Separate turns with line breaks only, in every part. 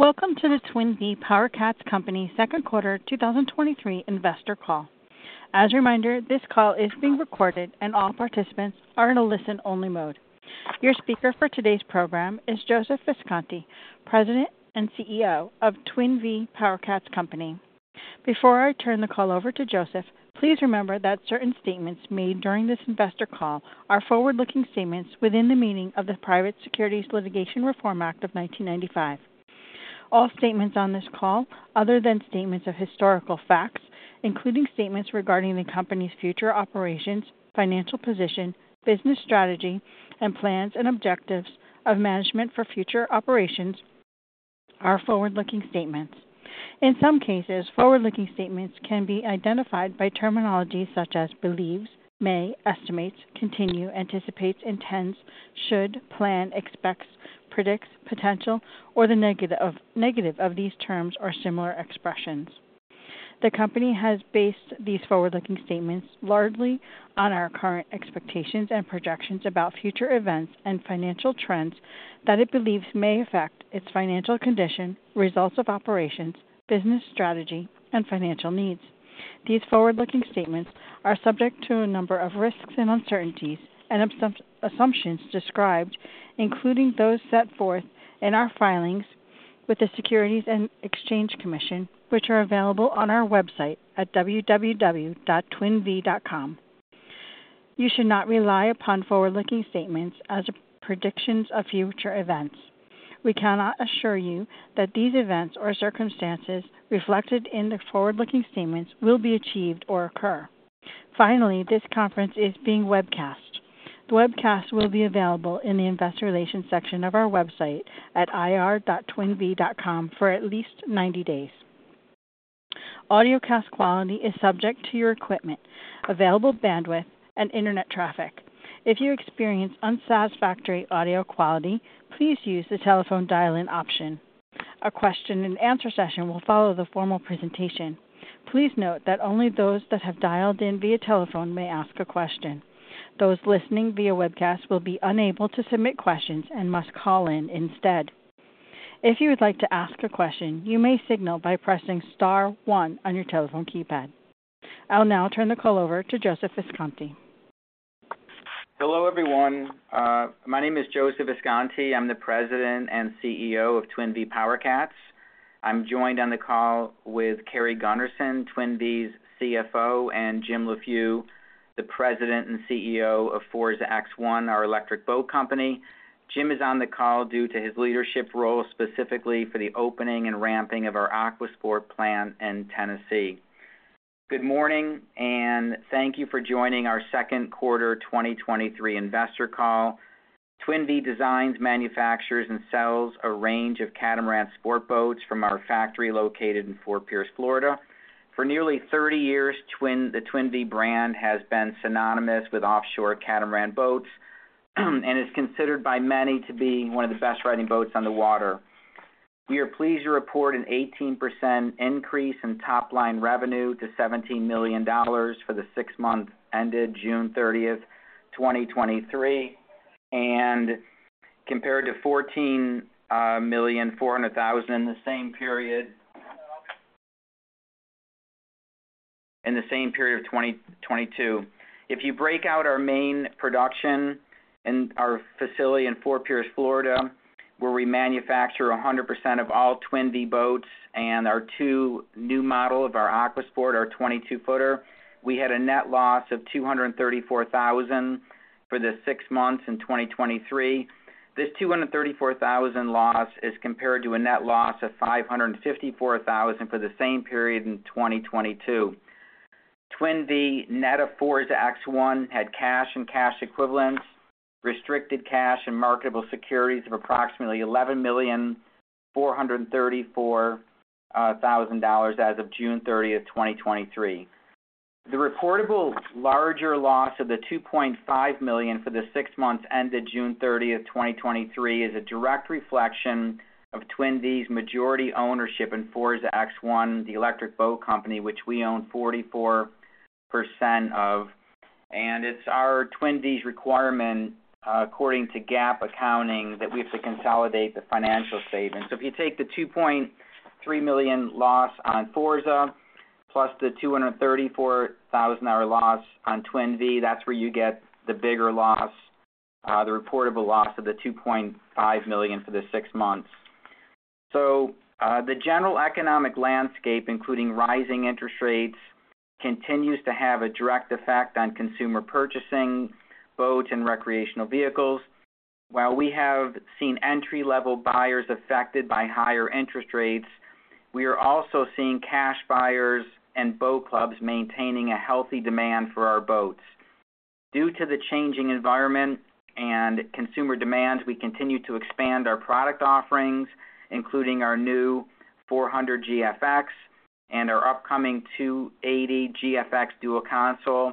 Welcome to the Twin Vee PowerCats Co. Q2 2023 Investor Call. As a reminder, this call is being recorded and all participants are in a listen-only mode. Your speaker for today's program is Joseph Visconti, President and CEO of Twin Vee PowerCats Co. Before I turn the call over to Joseph, please remember that certain statements made during this investor call are forward-looking statements within the meaning of the Private Securities Litigation Reform Act of 1995. All statements on this call, other than statements of historical facts, including statements regarding the company's future operations, financial position, business strategy, and plans and objectives of management for future operations, are forward-looking statements. In some cases, forward-looking statements can be identified by terminology such as believes, may, estimates, continue, anticipates, intends, should, plan, expects, predicts, potential, or the negative of, negative of these terms are similar expressions. The company has based these forward-looking statements largely on our current expectations and projections about future events and financial trends that it believes may affect its financial condition, results of operations, business strategy, and financial needs. These forward-looking statements are subject to a number of risks and uncertainties and assumptions described, including those set forth in our filings with the Securities and Exchange Commission, which are available on our website at www.twinvee.com. You should not rely upon forward-looking statements as a predictions of future events. We cannot assure you that these events or circumstances reflected in the forward-looking statements will be achieved or occur. Finally, this conference is being webcast. The webcast will be available in the Investor Relations section of our website at ir.twinvee.com for at least 90 days. Audio cast quality is subject to your equipment, available bandwidth, and internet traffic. If you experience unsatisfactory audio quality, please use the telephone dial-in option. A question and answer session will follow the formal presentation. Please note that only those that have dialed in via telephone may ask a question. Those listening via webcast will be unable to submit questions and must call in instead. If you would like to ask a question, you may signal by pressing star one on your telephone keypad. I'll now turn the call over to Joseph Visconti.
Hello, everyone. My name is Joseph Visconti, I'm the President and CEO of Twin Vee PowerCats. I'm joined on the call with Carrie Gunnerson, Twin Vee's CFO, and Jim Leffew, the President and CEO of Forza X1, our electric boat company. Jim is on the call due to his leadership role, specifically for the opening and ramping of our AquaSport plant in Tennessee. Good morning, and thank you for joining our Q2 2023 investor call. Twin Vee designs, manufactures, and sells a range of catamaran sport boats from our factory located in Fort Pierce, Florida. For nearly 30 years, the Twin Vee brand has been synonymous with offshore catamaran boats, and is considered by many to be one of the best-riding boats on the water. We are pleased to report an 18% increase in top-line revenue to $17 million for the six months ended June 30th, 2023. Compared to $14.4 million in the same period. In the same period of 2022. If you break out our main production in our facility in Fort Pierce, Florida, where we manufacture 100% of all Twin Vee boats and our two new model of our AquaSport, our 22-footer, we had a net loss of $234,000 for the six months in 2023. This $234,000 loss is compared to a net loss of $554,000 for the same period in 2022. Twin Vee, net of Forza X1, had cash and cash equivalents, restricted cash and marketable securities of approximately $11,434,000 as of June 30th, 2023. The reportable larger loss of the $2.5 million for the six months ended June 30th, 2023, is a direct reflection of Twin Vee's majority ownership in Forza X1, the electric boat company, which we own 44% of. It's our Twin Vee's requirement, according to GAAP accounting, that we have to consolidate the financial statements. If you take the $2.3 million loss on Forza plus the $234,000 loss on Twin Vee, that's where you get the bigger loss, the reportable loss of the $2.5 million for the six months. The general economic landscape, including rising interest rates, continues to have a direct effect on consumer purchasing boats and recreational vehicles. While we have seen entry-level buyers affected by higher interest rates, we are also seeing cash buyers and boat clubs maintaining a healthy demand for our boats. Due to the changing environment and consumer demands, we continue to expand our product offerings, including our new 400 GFX and our upcoming 280 GFX dual console.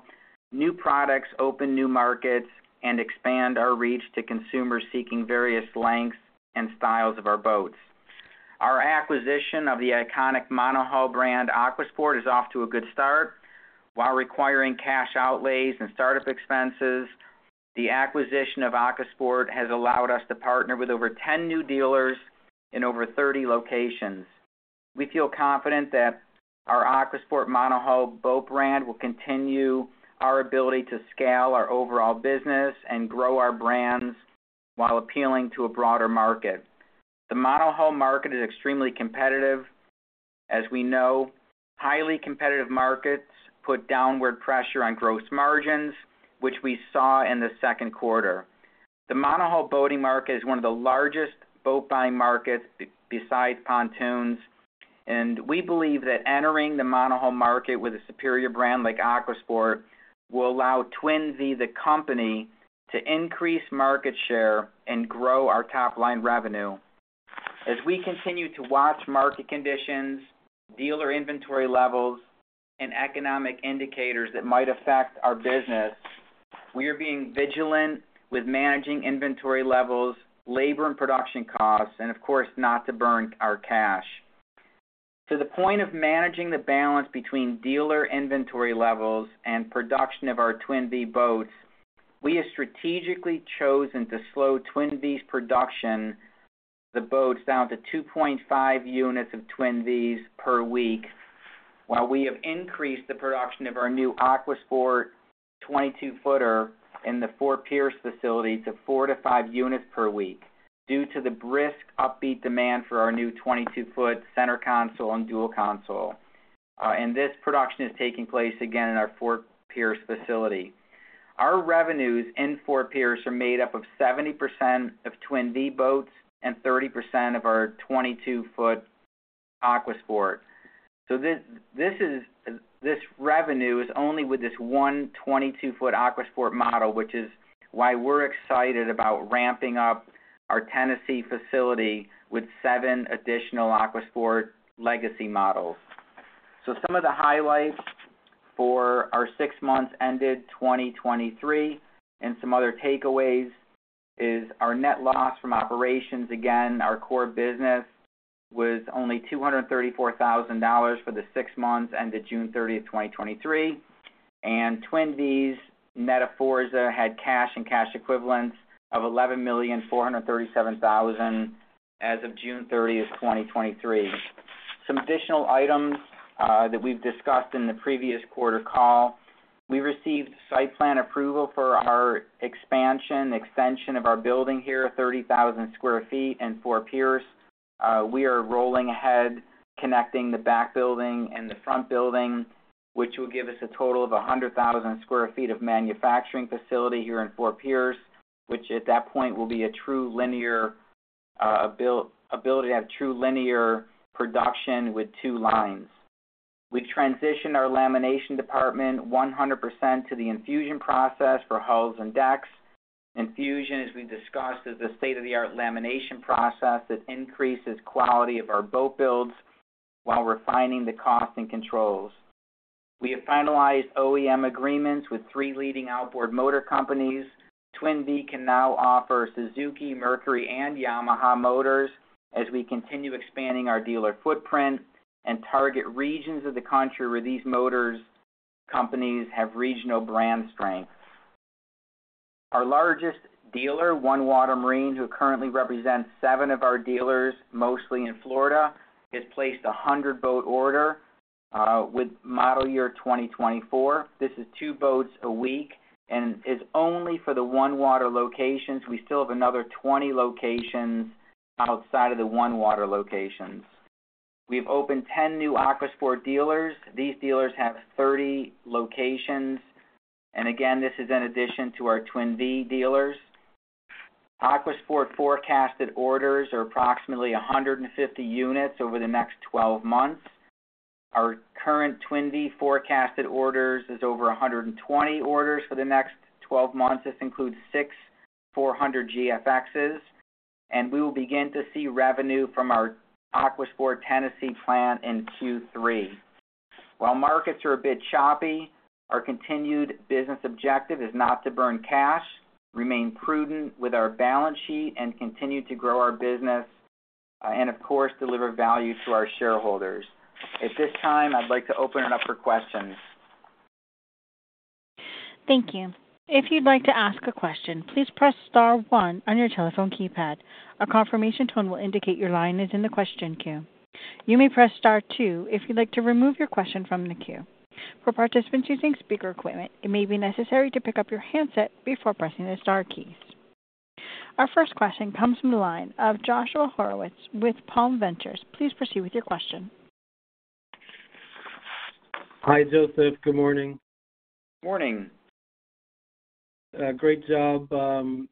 New products open new markets and expand our reach to consumers seeking various lengths and styles of our boats. Our acquisition of the iconic monohull brand, AquaSport, is off to a good start. While requiring cash outlays and startup expenses. The acquisition of AquaSport has allowed us to partner with over 10 new dealers in over 30 locations. We feel confident that our AquaSport monohull boat brand will continue our ability to scale our overall business and grow our brands while appealing to a broader market. The monohull market is extremely competitive. As we know, highly competitive markets put downward pressure on gross margins, which we saw in the Q2. The monohull boating market is one of the largest boat buying markets besides pontoons, and we believe that entering the monohull market with a superior brand like AquaSport will allow Twin Vee, the company, to increase market share and grow our top-line revenue. As we continue to watch market conditions, dealer inventory levels, and economic indicators that might affect our business, we are being vigilant with managing inventory levels, labor and production costs, and of course, not to burn our cash. To the point of managing the balance between dealer inventory levels and production of our Twin Vee boats, we have strategically chosen to slow Twin Vee's production, the boats, down to 2.5 units of Twin Vees per week, while we have increased the production of our new AquaSport 22-footer in the Fort Pierce facility to four to five units per week due to the brisk, upbeat demand for our new 22-foot center console and dual console. This production is taking place again in our Fort Pierce facility. Our revenues in Fort Pierce are made up of 70% of Twin Vee boats and 30% of our 22-foot AquaSport. This revenue is only with this one 22-foot AquaSport model, which is why we're excited about ramping up our Tennessee facility with seven additional AquaSport legacy models. Some of the highlights for our six months ended 2023 and some other takeaways is our net loss from operations. Again, our core business was only $234,000 for the six months ended June 30th, 2023, and Twin Vee's net Forza had cash and cash equivalents of $11,437,000 as of June 30th, 2023. Some additional items that we've discussed in the previous quarter call. We received site plan approval for our expansion, extension of our building here, 30,000 sq ft in Fort Pierce. We are rolling ahead, connecting the back building and the front building, which will give us a total of 100,000 sq ft of manufacturing facility here in Fort Pierce, which at that point will be a true linear ability to have true linear production with two lines. We've transitioned our lamination department 100% to the infusion process for hulls and decks. Infusion, as we discussed, is a state-of-the-art lamination process that increases quality of our boat builds while refining the cost and controls. We have finalized OEM agreements with three leading outboard motor companies. Twin Vee can now offer Suzuki, Mercury, and Yamaha motors as we continue expanding our dealer footprint and target regions of the country where these motors companies have regional brand strength. Our largest dealer, OneWater Marine Inc., who currently represents seven of our dealers, mostly in Florida, has placed a 100-boat order with model year 2024. This is two boats a week and is only for the OneWater locations. We still have another 20 locations outside of the OneWater locations. We've opened 10 new AquaSport dealers. These dealers have 30 locations, and again, this is in addition to our Twin Vee dealers. AquaSport forecasted orders are approximately 150 units over the next 12 months. Our current Twin Vee forecasted orders is over 120 orders for the next 12 months. This includes six 400 GFXs, and we will begin to see revenue from our AquaSport Tennessee plant in Q3. While markets are a bit choppy, our continued business objective is not to burn cash, remain prudent with our balance sheet, and continue to grow our business, and of course, deliver value to our shareholders. At this time, I'd like to open it up for questions.
Thank you. If you'd like to ask a question, please press star one on your telephone keypad. A confirmation tone will indicate your line is in the question queue. You may press star two if you'd like to remove your question from the queue. For participants using speaker equipment, it may be necessary to pick up your handset before pressing the star keys. Our first question comes from the line of Joshua Horowitz with Palm Ventures. Please proceed with your question.
Hi, Joseph. Good morning.
Morning.
Great job on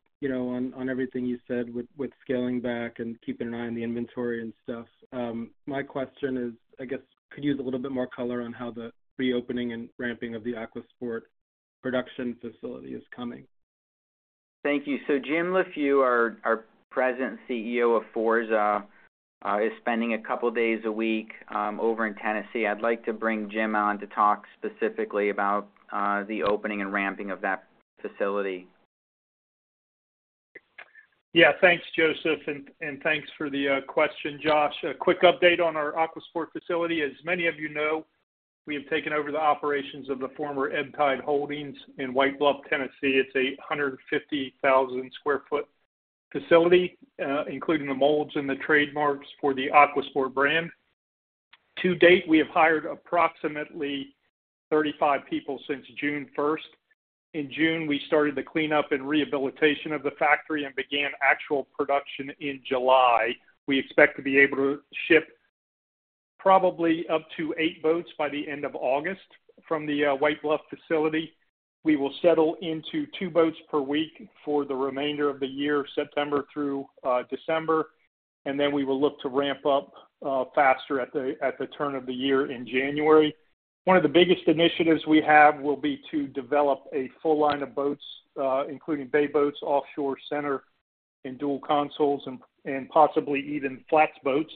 everything you said with scaling back and keeping an eye on the inventory and stuff. My question is, could you give a little bit more color on how the reopening and ramping of the AquaSport production facility is coming?
Thank you. Jim Leffew, our President and CEO of Forza, is spending a couple days a week over in Tennessee. I'd like to bring Jim on to talk specifically about the opening and ramping of that facility.
Yes, thanks, Joseph, and thanks for the question, Josh. A quick update on our AquaSport facility. As many of you know, we have taken over the operations of the former Ebbtide Holdings in White Bluff, Tennessee. It's a 150,000 square foot facility, including the molds and the trademarks for the AquaSport brand. To date, we have hired approximately 35 people since June 1st. In June, we started the cleanup and rehabilitation of the factory and began actual production in July. We expect to be able to ship probably up to eight boats by the end of August from the White Bluff facility. We will settle into two boats per week for the remainder of the year, September through December, and then we will look to ramp up faster at the turn of the year in January. One of the biggest initiatives we have will be to develop a full line of boats, including bay boats, offshore center, and dual consoles, and, and possibly even flats boats.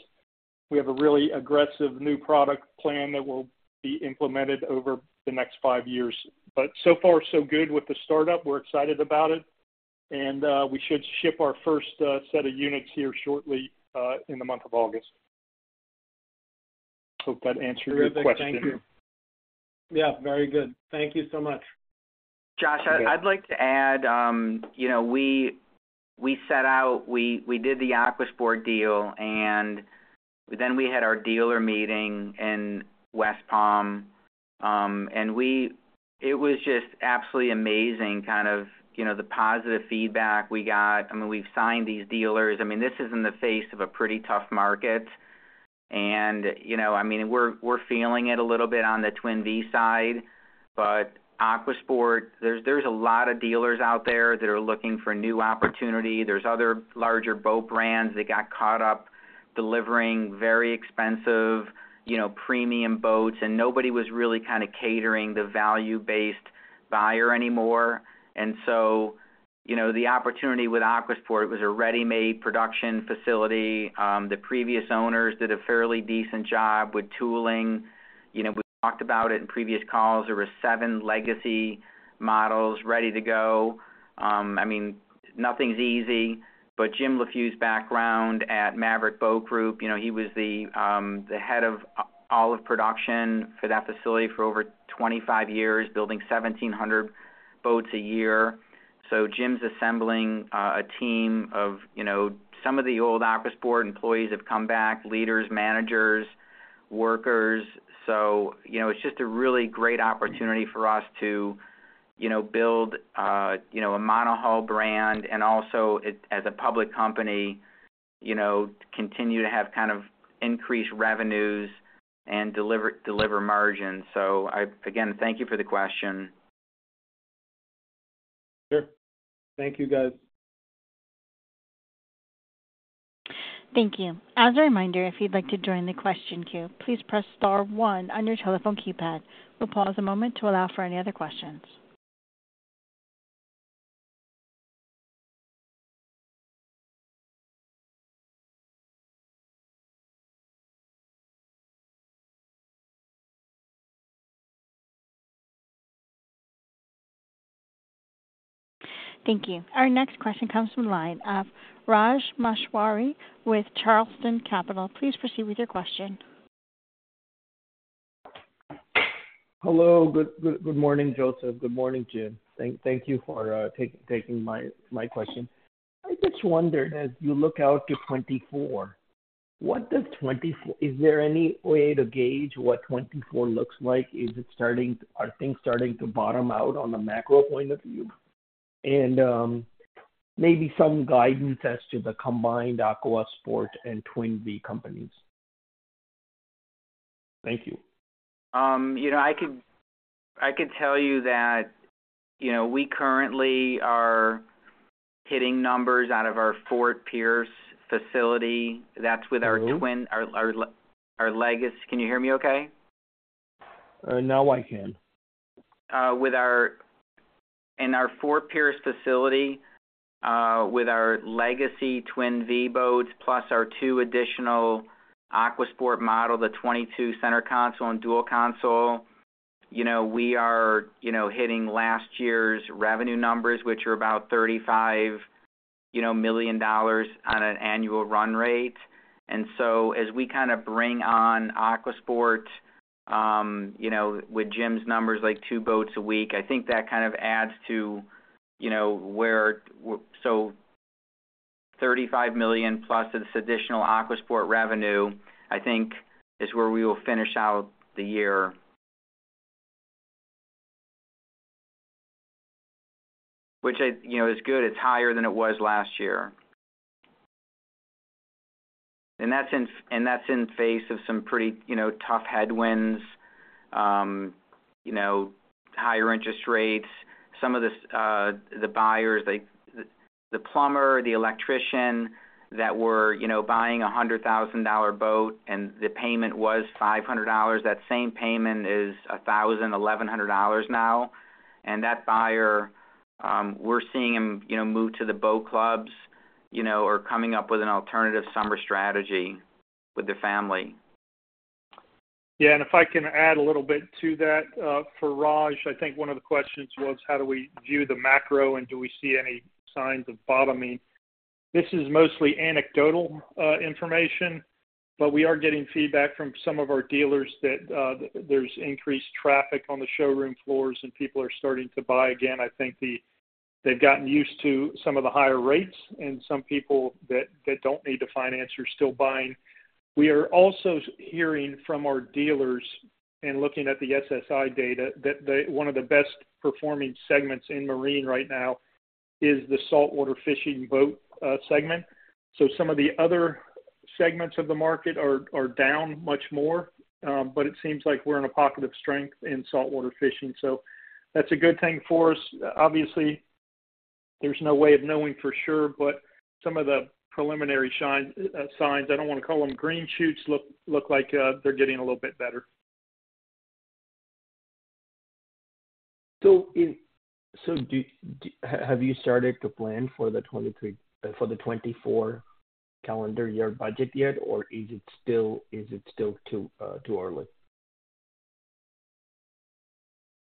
We have a really aggressive new product plan that will be implemented over the next five years, but so far, so good with the startup. We're excited about it, and we should ship our first set of units here shortly, in the month of August. Hope that answered your question.
Thank you. Yes, very good. Thank you so much.
Josh, I'd like to add, we set out, we did the AquaSport deal, and then we had our dealer meeting in West Palm. It was just absolutely amazing the positive feedback we got. We've signed these dealers. I mean, this is in the face of a pretty tough market, and we're feeling it a little bit on the Twin Vee side, but AquaSport, there's a lot of dealers out there that are looking for new opportunity. There's other larger boat brands that got caught up delivering very expensive premium boats, and nobody was really kind of catering the value-based buyer anymore. The opportunity with AquaSport, it was a ready-made production facility. The previous owners did a fairly decent job with tooling. We talked about it in previous calls. There were seven legacy models ready to go. Nothing's easy, but Jim Leffew's background at Maverick Boat Group, he was the head of all of production for that facility for over 25 years, building 1,700 boats a year. Jim's assembling a team of some of the old AquaSport employees have come back, leaders, managers, and workers. It's just a really great opportunity for us to build a monohull brand and also, as a public company, continue to have increased revenues and deliver margins. Again, thank you for the question.
Sure. Thank you, guys.
Thank you. As a reminder, if you'd like to join the question queue, please press star one on your telephone keypad. We'll pause a moment to allow for any other questions. Thank you. Our next question comes from the line of Raj Maheshwari with Charlestown Capital. Please proceed with your question.
Hello. Good morning, Joseph. Good morning, Jim. Thank, thank you for take- taking my question. I just wondered, as you look out to 2024, is there any way to gauge what 2024 looks like? Are things starting to bottom out on a macro point of view? Maybe some guidance as to the combined AquaSport and Twin Vee companies. Thank you.
I could tell you that we currently are hitting numbers out of our Fort Pierce facility. That's with our legacy... Can you hear me okay?
Now I can.
In our Fort Pierce facility, with our legacy Twin Vee boats, plus our two additional AquaSport model, the 22-center console and dual console. We are hitting last year's revenue numbers, which are about $35 million on an annual run rate. As we bring on AquaSport with Jim's numbers, like two boats a week, I think that kind of adds to $35 million plus this additional AquaSport revenue, I think is where we will finish out the year. Which is good. It's higher than it was last year and that's in face of some pretty tough headwinds and higher interest rates. Some of the buyers, like the plumber, the electrician, that were buying a $100,000 boat and the payment was $500, that same payment is $1,000-$1,100 now, and that buyer, we're seeing him move to the boat clubs or coming up with an alternative summer strategy with the family.
Yes, if I can add a little bit to that, for Raj, I think one of the questions was how do we view the macro, and do we see any signs of bottoming? This is mostly anecdotal information, but we are getting feedback from some of our dealers that there's increased traffic on the showroom floors and people are starting to buy again. I think they've gotten used to some of the higher rates, and some people that don't need to finance are still buying. We are also hearing from our dealers and looking at the SSI data, that one of the best performing segments in marine right now is the saltwater fishing boat segment. Some of the other segments of the market are down much more, but it seems like we're in a pocket of strength in saltwater fishing. That's a good thing for us. Obviously, there's no way of knowing for sure, but some of the preliminary signs, I don't want to call them green shoots, look like they're getting a little bit better.
Have you started to plan for the 2024 calendar year budget yet, or is it still too early?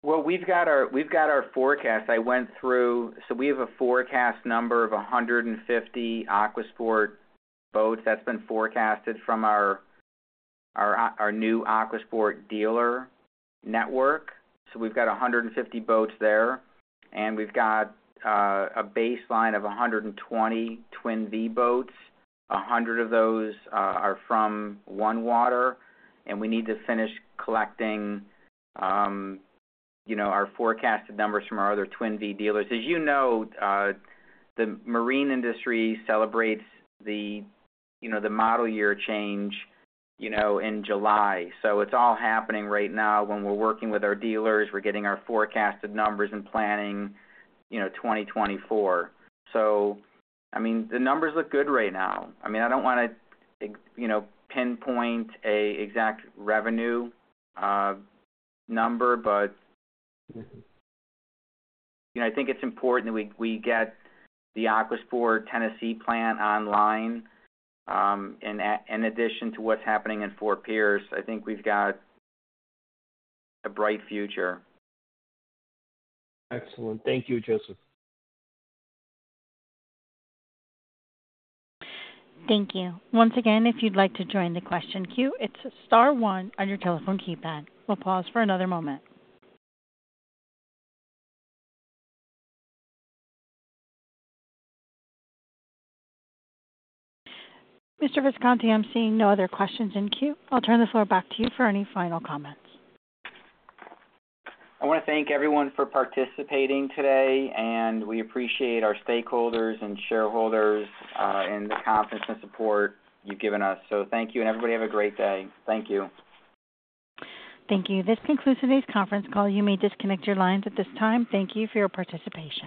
We've got our forecast I went through. We have a forecast number of 150 AquaSport boats. That's been forecasted from our new AquaSport dealer network. We've got 150 boats there, and we've got a baseline of 120 Twin Vee boats. 100 of those are from OneWater, and we need to finish collecting our forecasted numbers from our other Twin Vee dealers. As you know, the marine industry celebrates the model year change in July. It's all happening right now when we're working with our dealers, we're getting our forecasted numbers and planning 2024. The numbers look good right now. I don't want to pinpoint an exact revenue number. I think it's important that we get the AquaSport Tennessee plant online. In addition to what's happening in Fort Pierce, I think we've got a bright future.
Excellent. Thank you, Joseph.
Thank you. Once again, if you'd like to join the question queue, it's star one on your telephone keypad. We'll pause for another moment. Mr. Visconti, I'm seeing no other questions in queue. I'll turn the floor back to you for any final comments.
I want to thank everyone for participating today. We appreciate our stakeholders and shareholders, and the confidence and support you've given us. Thank you, and everybody have a great day. Thank you.
Thank you. This concludes today's conference call. You may disconnect your lines at this time. Thank you for your participation.